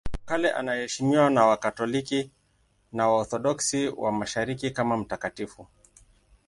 Tangu kale anaheshimiwa na Wakatoliki na Waorthodoksi wa Mashariki kama mtakatifu.